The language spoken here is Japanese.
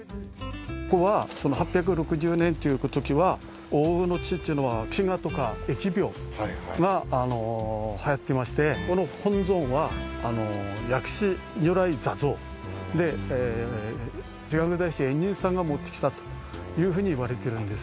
ここは８６０年というときは奥羽の地というのは飢餓とか疫病が流行ってましてこの本堂は薬師如来座像で慈覚大師円仁さんが持ってきたというふうに言われてるんです。